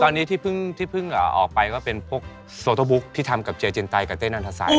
ตอนนี้ที่เพิ่งออกไปก็เป็นพวกโซโต้บุ๊กที่ทำกับเจเจนไตกับเต้นันทศัย